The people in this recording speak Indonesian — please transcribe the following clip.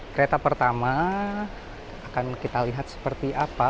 kereta pertama akan kita lihat seperti apa